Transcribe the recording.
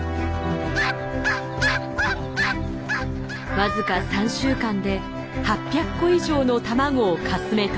僅か３週間で８００個以上の卵をかすめ取る。